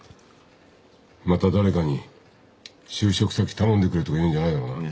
また誰かに就職先頼んでくれとか言うんじゃないだろうな。